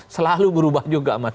selalu berubah juga